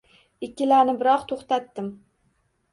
Ikkilanibroq to‘xtatdim.